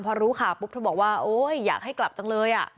พอรู้ข่าวปุ๊บเธอบอกว่าโอ๊ยอยากให้กลับจังเลย